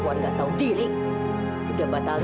rempuan nggak tahu diri udah batal